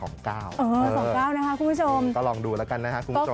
๒๙นะคะคุณผู้ชมก็ลองดูแล้วกันนะครับคุณผู้ชม